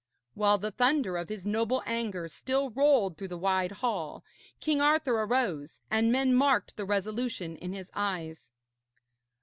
While the thunder of his noble anger still rolled through the wide hall, King Arthur arose, and men marked the resolution in his eyes.